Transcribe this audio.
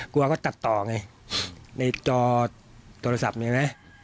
กลัวก็ตัดต่อไงในจอโทรศัพท์มีไหม